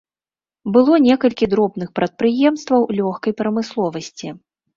Было некалькі дробных прадпрыемстваў лёгкай прамысловасці.